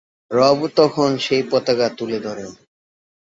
রব তখন সেই পতাকা তুলে ধরেন।